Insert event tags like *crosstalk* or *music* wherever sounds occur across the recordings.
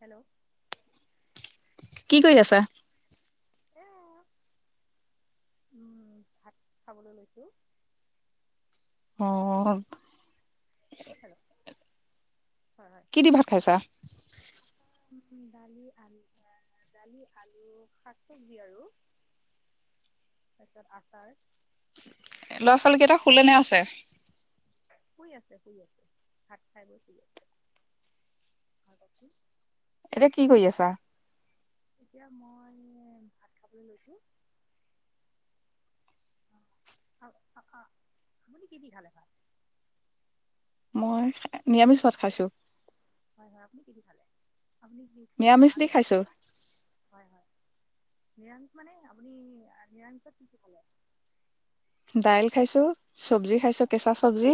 Hello. কি কৰি আছা। এতিয়া উম ভাত খাবলৈ লৈছো অ হেল্ল' হয় হয় কিদি ভাত খাইছা দালি আলু দালি আলু শাক চবজি আৰু তাৰপিছত আচাৰ। ল'ৰা ছোৱালী কেইটা শুলেনে আছে শুই আছে শুই আছে ভাত খাই বৈ শুই আৰু কোৱা চোন এতিয়া কি কৰি আছা? এতিয়া মই ভাত খাবলৈ লৈছোঁ, আ আ আপুনি কি কি খালে ভাত? মই নিৰামিষ ভাত খাইছো হয় হয় আপুনি কি দি খালে? আপুনি কি কি দি নিৰামিষ আৰে খাইছো। হয় হয়। নিৰামিষ মানে আপুনি, নিৰামিষত কি কি খালে হেল্ল' দাইল খাইছো, চব্জি খাইছো, কেঁচা চব্জি।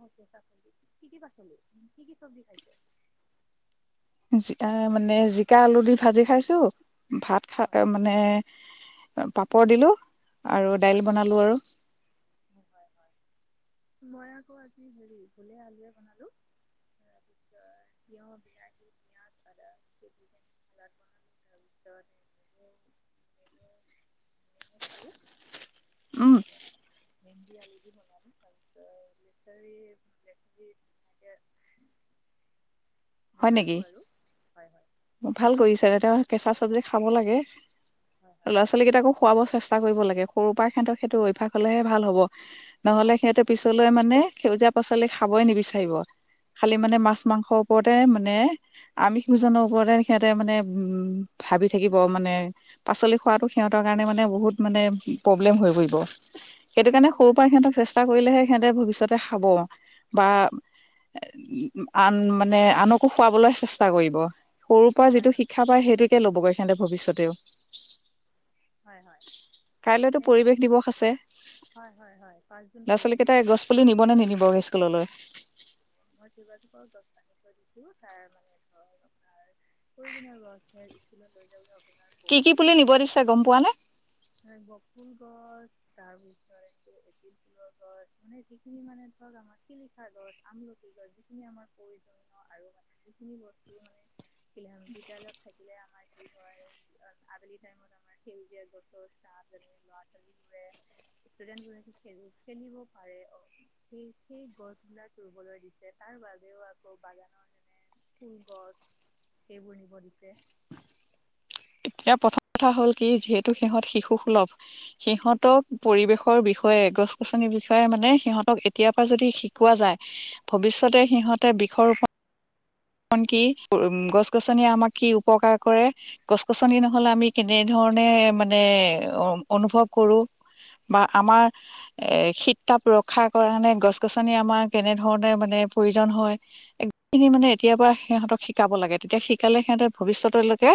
মোৰ কেচাঁ চব্জি কি কি পাচলি কি কি চব্জি খাইছে? জিকা, মানে জিকা আলু দি ভাজি খাইছো ভাত খা হয় মানে পাপৰ দিলোঁ। আৰু হয় দাইল বনালোঁ আৰু মই আকৌ আজি হেৰি, ভোলে আলুৱে বনালো। তাৰপিছত তিয়হ, বিলাহী, পিয়াজ, আদা কুতিকেনে চালাড বনালো, নেমু, নেমু, নেমু খালে। উম ভেণ্ডি আলু দি বনালো, তাৰ পিছত লেছৰি, লেছেৰি এনেকে। হয় নেকি? ভাল কৰিছা, কেঁচা চব্জি খাব লাগে। হয় হয় *inaudible* ল'ৰা-ছোৱালী কেইটাকো শুৱাব চেষ্টা কৰিব লাগে। সৰুৰ পৰা সেহেতৰ সেইটো অভ্যাস হলেহে ভাল হ'ব। নহলে হয় সিহঁতে পিছলৈ মানে সেউজীয়া পাচলি শা খাবৈ নিবিচাৰিব। খালি হয় মানে হয় মাছ-মাংস *unintelligible* তে মানে। আমিষ ভোজনৰ হয় হয় ওপৰতে সিয়াত মানে মানে, ভাবি থাকিব মানে, পাচলি খোৱাটো সিহঁতৰ কাৰণে মানে বহুত মানে প্ৰব্লেম হৈ পৰিব সেইটো মানে কাৰণে কি সৰু হয় পা সিহঁতক চেষ্টা কৰিলেহে সিহঁত ভৱিষ্যতে খাব বা এ আন মা মানে আনকো শুৱাবলৈ চেষ্টা কৰিব। সৰুৰ পৰা হয় যিটো হয় শিক্ষা পায় সেইটো *unintelligible* সেইয়ে ল'বগৈ সেহেতে ভৱিষ্যতেও। হয় হয় কাইলৈতো মানে পৰিৱেশ দিৱস আছে হয় হয় হয় পাঁচ জোন ল'ৰা ছোৱালী পৰিৱেশ কেইটাই দিৱস গছ পুলি নিবনে নিনিব স্কুললৈ *unintelligible* তাৰ মানে *unintelligible* কি কি বগৰী পুলি গছ নিব দিছে গ'ম প বকুল গছ তাৰ পিছত *unintelligible* যিখিনি মানে ধৰক আমাৰ শিলিখা গছ, আমলখি গছ যিখিনি আমাৰ প্ৰয়োজনীয় আৰু যিখিনি বস্তু মানে থাকিলে আম বিদ্যালয়ত থাকিলে আমাৰ কি হয় আবেলি টাইমত আমি সেউজীয়া গছৰ ছা যেনে *unintelligible* ষ্টুডেণ্ট বোৰে খেজু খেলিব পাৰে অ সি সেই গছ বিলাক ৰুবলৈ দিছে, তাৰ বাবেও আকৌ বাগানৰ মানে ফুল গছ সেইবোৰ নিব দিছে এতিয়া প্ৰথম কথা হ'ল কি যিহেতু সিহঁত শিশু সুলভ, সিহঁতক পৰিৱেশৰ বিষয়ে, গছ গছনিৰ বিষয়ে, য়ে মানে হয় সিহঁতক এতিয়া যদি শিকোৱা যায় ভৱিষ্যতে সিহঁতে বৃক্ষ ৰোপণ ন কি? গছ গছনিয়ে আমাক কি উপকাৰ কৰে, গছ গছনি নহলে আমি কেনেধৰণে মানে অনুভৱ কৰো, বা আমাৰ এ হয় শীত তাপ বোৰক ক্ষা কৰা নে গছ- গছনি আমাৰ কেনে ধৰণে মানে প্ৰয়োজন হয়, এইখিনি মানে এতিয়াৰ পৰা সিহঁতক শিকাব লাগে। তেতিয়া শিকালে সিহঁতে ভৱিষ্যতলৈকে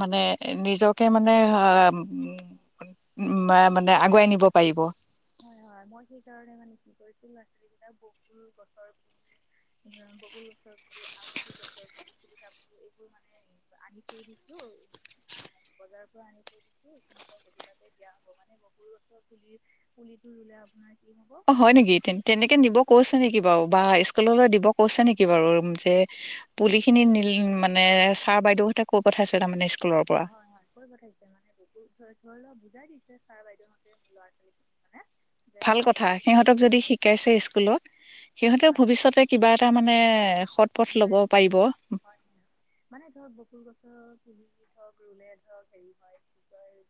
মানে নিজকে মানে উ উ মা মানে আগুৱাই নিব পাৰিব। হয় হয় মই সেইকাৰণে মানে *unintelligible* বকুল গছৰ বকুল গছৰ পুলি, আমলখি গছৰ পুলি এইখিনি মানে আনি থৈ দিছো বজাৰ পৰা আনি থৈ দিছো *unintelligible* বকুল গছৰ পুলি পুলিটো ৰুলে আপোনাৰ কি হ'ব অ' হয় নেকি, তেনেকে নিব কৈছে নেকি বাৰু, বা স্কুললৈ দিব কৈছে নেকি বাৰু? যে পুলি খিনি নিল মানে ছাৰ বাইদেউ হ'তে কৈ পঠাইছে তাৰমানে স্কুলৰ পৰা হয় হয় কৈ পঠাইছে মানে *unintelligible* চাৰ বাইদেউ হেতে *unintelligible* ভাল কথা, সিহঁতক যদি শিকাইছে স্কুলত সিহঁতেও হয় ভৱিষ্যতে কিবা এটা মানে সত হয় হয় মানে ধৰক বকুল গছৰ পুলি *unintelligible* হক ৰুলে ধৰক সেৰি হয়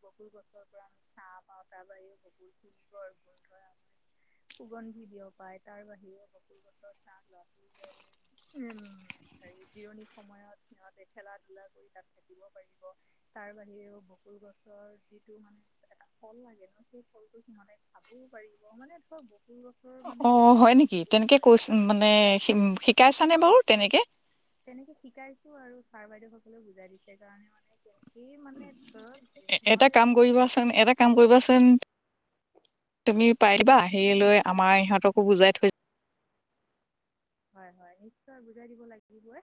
বকুল গছৰ পৰা চা পাওঁ তাৰ বাহিৰেও *unintelligible* সুগন্ধি বিয়পাই তাৰ বাহিৰেও *unintelligible* ইমম জিৰণি সময়ত সিহঁতে খেলা -ধূলা কৰি তাত বহিব পাৰিব, তাৰ বাহিৰেও বকুল গছৰ যিটো মানে ফল লাগে সেই ফলটো সিহঁতে মানে খাবও পাৰিব মানে ধৰক বকুল গছ অ' হয় নেকি, তেনেকে কৈছ মানে শিকাইছানে বাৰু? তেনেকে তেনেকে শিকাইছো, আৰু ছাৰ বাইদেউ সকলেও বুজাই দিছে কাৰণে মানে মানে ধৰক এটা সিহঁতে যি কাম কৰিবাচোন, এটা কাম কৰিবাচোন, তুমি পাৰিবা। আহিলৈ আমাৰ ইহঁতকো বুজাই থৈছে হয় হয়, নিশ্চয় বুজাই দিব লাগিবই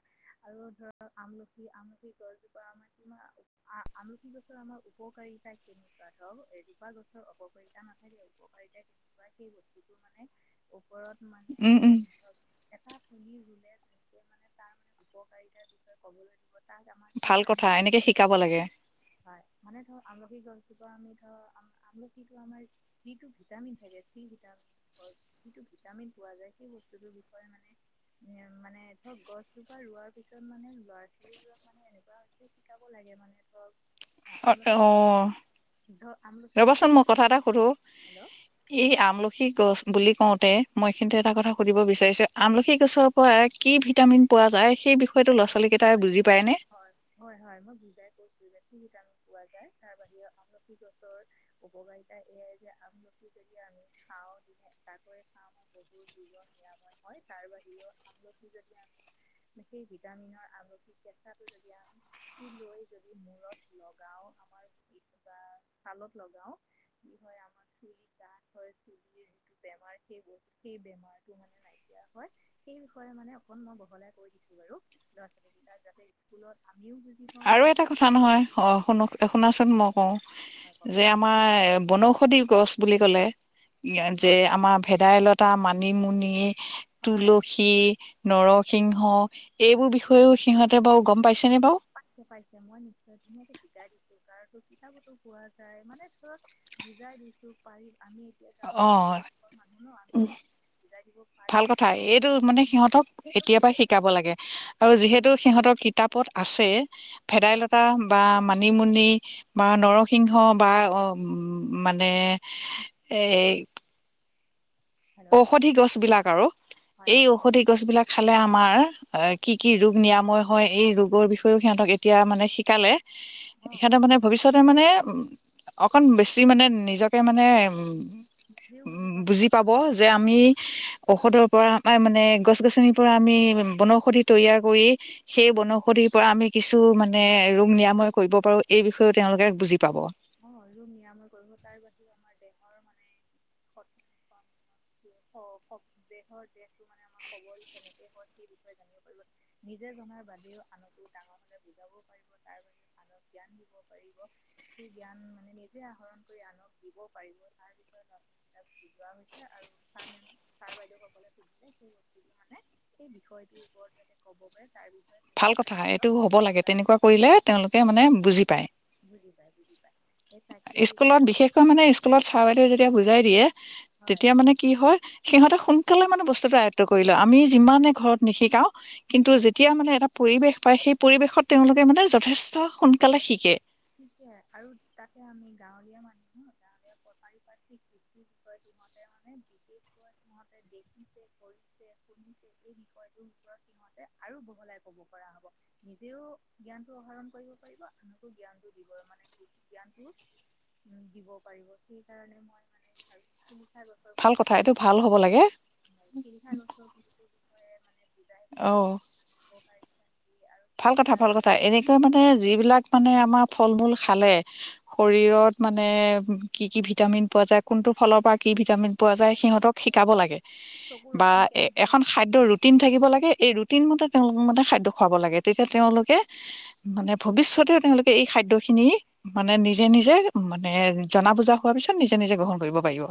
আৰু ধৰক আমলখি, আমলখি গছজোপা আমাৰ কি আমলখি গছৰ আমাৰ উপকাৰিতা কেনেকুৱা। ধৰক এজোপা গছৰ অকাৰিতাই নাথাকে উপকাৰিতা কেনেকুৱা সেই বস্তুতো মানে ওপৰত মানে উম উম ধৰক পুলি ৰুলে মানে তাৰ মানে উপকাৰিতাৰ বিষয়ে ক'বলৈ দিব ভাল *unintelligible* কথা এনেকে শিকাব লাগে। পা আমি ধৰ আম আমলখিটো আমাৰ যিটো ভিটামিন থাকে, চি ভিটামিন যিটো ভিটামিন পোৱা যায় সেই বস্তুটোৰ বিষয়ে মানে মানে ধৰক গছজোপা ৰোৱাৰ পিছত মানে লৰা ছোৱালীবোৰক মানে এনেকুৱা হৈছে, শিকাব লাগে মানে ধৰক আ- অ আমলখি অ গছ ধৰক আমলখি গছৰ ৰ'বাচোন মই উপকাৰ- কথা এটা সুধো ই আমলখি গছ বুলি কওঁতে মইখিন এটা কথা সুধিব বিচাৰিছো আমলখি গছৰ পৰা কি ভিটামিন পোৱা যায় সেই বিষয়টো ল'ৰা ছোৱালী কেইটাই হয় বুজি পায়নে? হয় হয় হয় মই দুুজাই কৈছো যে চি ভিটামিন পোৱা যায় তাৰ বাহিৰেও আমলখি গছৰ উপকাৰিতা এইয়াই যে আমলখি যদি আমি খাওঁ দিনে এটাকৈ খাওঁ আমাৰ বহুত দুৰ্ব নিৰাময় হয় তাৰ বাহিৰেও আমলখি যদি আমি সেই ভিটামিনৰ আ কেঁচাটো যদি আমি পিচি লৈ যদি মূৰত লগাও আমাৰ বা ছালত লগাও কি হয় আমাৰ চ গাঠ হয় চ যিটো বেমাৰ সেই সেই বেমাৰটো মানে নাইকিয়া হয় সেই বিষয়ে মানে অকণ মই বহলাই কৈ দিছো ব ল'ৰা ছোৱালীকেই যাতে স্কুলত আক আৰু এটা কথা নহয় অ শুনো শুনাচোন মই পালে কওঁ হয় যে কওকচোন আমাৰ বনৌষধি গছ বুলি কলে যে হয় হয় আমাৰ ভেদাইলতা মান মানিমুনি হয় তুলসী নৰ স সিংহ এইবোৰ বিষয়েও সিহঁতে বাৰু গম পাইছেনে বাৰু পাইছে মই নিশ্চয় ধুনীয়ো শিকাই দিছো কাৰণো কিতাপতো পোৱা যায় মানে ধৰক বুজাই দিছো পাৰি আমি এতিয়া অ গাঁৱলীয়া পৰিৰুৱষৰ মানুহ ন আমি বুজাই দিব ভাল পাৰিম কথা আৰু এইটো ঠিকমতে মানে চিন্তিত সিহঁতক এতিয়াৰ কৰিম পৰা শিকাব লাগে আৰু যিহেতু সিহঁতৰ কিতাপত আছে অ', ভেদাইলতা বা ম মানিমুনি বা নৰসিংহ বা অ উ মানে এই হেল্ল'। ঔষধি গছ হয়, বিলাক হয়, আৰু হয়, এই হয়। ঔষধি গছ বিিলাক খালে আমাৰ কি কি ৰোগ নিৰাময় হয় এই ৰোগৰ বিষয়েও সিহঁতক এতিয়া মানে শিকালে অ', সিহঁতে মানে ভৱিষ্যতে মানে অকণ বেছি মানে নিজকে মানে নিজেও বুজি পাব যে আমি ঔষধৰ পৰা মানে গছ গছনিৰ পৰা আমি বনৌষধি তৈয়াৰ কৰি সেই বনৌষধিৰ পৰা আমি কিছু মানে ৰোগ নিৰাময় কৰিব পাৰো এই বিষয়ও তেওঁলোকে বুজি পাব অ ৰোগ নিৰাময় কৰিব তাৰ বাহিৰেও আমাৰ দেহৰ মানে দেহৰ দেহটো মানে আমাৰ সবল কেনেকে হয় সেই বিষয়ে জানিব পাৰিব নিজে জনাৰ বাদেও আনকো ডাঙৰ হে বুজাব পাৰিব তাৰ বাহিৰেও আনক জ্ঞান দিব পাৰিব সেই জ্ঞান মানে নিজে আহৰণ কৰি আনক দিব পাৰিব তাৰ বিষয়ে বুজোৱা হৈছে আৰুাৰ ছাৰ বাইদেউ সকলে সুজিলে সেই বস্তুটো মানে সেই বিষয়টোৰ ওপৰত যাতে ক'ব পাৰে তাৰ বিষয়ে ভাল কথা এইটো সিহঁতক হ'ব লাগে বহলাই তেনেকুৱা কৰিলে তেওঁলোকে মানে বুজি পায়। বুজি পায় বুজি পায় সেই তাকেই স্কুলত তাৰ বিশেষকৈ মানে স্কুলত চাৰ বাইদেউ যেতিয়া বুজি জাই দিয়ে হয় তেতিয়া মানে কি হয় সিহঁতে সু সোনকালে মানে বস্তুতটো আয়ত্ব কৰিল আমি যিমানে ঘৰত নিশিকাও কিন্তু যেতিয়া মানে এটা পৰিৱেশ পায় সেই পৰিৱেশত তেওঁলোকে মানে যথেষ্ট সোনকালে শিকে শিকে আৰু তাতে আমি গাঁৱলীয়া মানুহ গাঁৱলীয়া পাৰিপাৰ্শিকিৰ বিষয়ে সিহঁতে মানে বিশেষকৈ সিহঁতে দেখিছে কৰিছে শুনিছে এই বিষয়টোৰ ওপৰত সিহতে আৰু বহলাই কব পৰা হব নিজেও জ্ঞানতটো আহহৰণ কৰিব পাৰিব আনকো জ্ঞান জ্ঞান উ দিব পাৰিব সেইকাৰণে মই মানে ভ ভাল কথা এইটো ভাল হ'ব লাগে। শিলিখা গছৰ পুলি অ, অ ভাল কথা ভাল কথা। এনেকৈ মানে যি বিলাক মানে আমাৰ। ফল- মূল খালে শৰীৰত মানে। কি কি হয় ভিটামিন পোৱা যায় কোনটো। ফলৰ পৰা কি ভিটামিন পোৱা যায় সিহঁতক - শিকাব লাগে চকুৰ বা ৰশ্মি কেনেদৰে এখন পায় খাদ্যৰ ন ৰুটিন থাকিব লাগে এই ৰুটিন মতে - তেওঁলোক মানে খাদ্য খুৱাব লাগে। তেতিয়া তেওঁলোকে মানে ভৱিষয়তেও, তেওঁলোকে মানে ভৱিষ্যতেও তেওঁলোকে এই খাদ্য খিনি মানে, নিজে নিজে মানে জনা বুজা হোৱাৰ পিছত নিজে নিজে গ্ৰহণ কৰিব পাৰিব।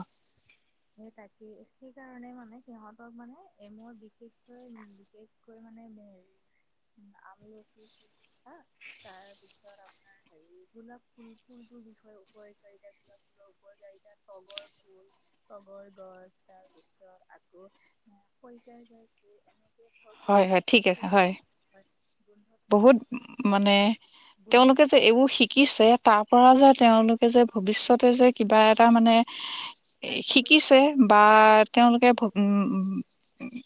স তাকেই সেইকাৰণে মানে সিহঁতক মানে মোৰ বিশেষকৈ বিশেষকৈ মানে হে আমল তাৰপিছত আপোনাৰ হেৰি গোলাপ ফুল ফুলটোোৰ বিষয় উপকাৰা গোলাপ ফুলৰ কাৰিতা তগৰ ফুল *inaudible* তগৰ গছ তাৰ পিছত আকৌ খইকাজাই ফুল। হয় হয় ঠিক আছা হয়। গোন্ধ বহুত মানে গোন্ধ তেওঁলোকে থকা যে এইবোৰ শিকিছে। তাৰ পৰা যে তেওঁলোক - হয় ভৱিষ্যতে যে কিবা এট - তাৰ মানে - *unintelligible* আয়ত্ব কৰিব শিকিছে পাৰিব বা তেওঁলোকে *unintelligible*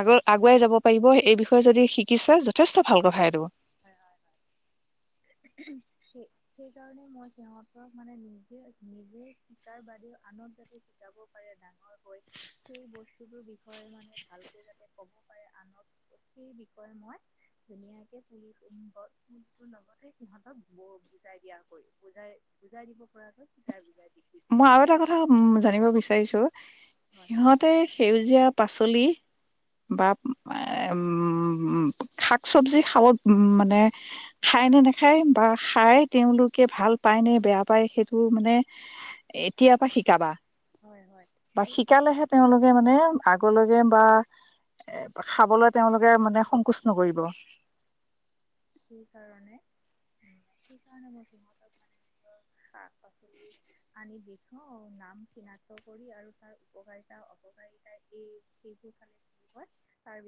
আগু আগুৱাই যাব পাৰিব এই বিষ - তই যদি শিকিছে যথেষ্ট ভাল কথা এইটো। হয় হয় হয় সেই কাৰণে মই সিহঁতক মানে নিজে নিজে শিকাৰ বাদেও আনক যাতে শিকাব পাৰে ডাঙৰ হৈ সেই বস্তুটো বিষয়ে মানে ভালকৈ যাতে কব পাৰে আনক সেই বিষয়ে মই ধুনীয়াকে - লগতে সিহঁতক বুজাই দিয়া হ'ল। বুজাই বুজাই দিব পৰাকৈ শিতাই বুজাই দি - মই আৰু এটা কথা জানিব বিচাৰিছো - হয় হয় সিঁহতে সেউজীয়া পাচলী - বা এ উম উম শাক চবজি খাব মানে খায়নে নেখায় বা খাই তেওঁলোকে ভাল পায়নে বেয়া পায় সেইটো মানে - এতিয়া পা শিকাবা। হয় হয় বা সেইটো শিকালেহে তেওঁলোকে মানে আগ। খাবলৈ তেওঁলোকে মানে সংকোচ নকৰিব। সেই কাৰণে সেই কাৰণে মই সহঁতক মানে নিজৰ শাক-পাচলি আনি দেখোৱাও নাম চিনাক্ত কৰি আৰু তাৰ উপকাৰিতা অপকাৰিতা কি এইবোৰ ফালে তাৰ